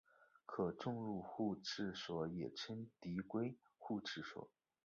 可重入互斥锁也称递归互斥锁。